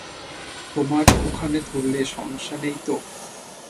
তোমার ওখানে ধরলে সমস্যা নেই তো?